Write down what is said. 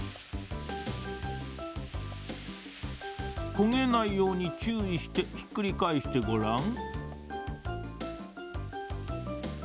こげないようにちゅういしてひっくりかえしてごらん。